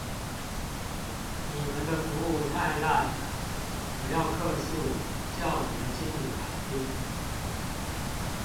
你們的服務太爛了，我要客訴，叫你們經理來聽。